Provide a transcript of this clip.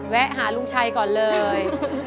หาลุงชัยก่อนเลย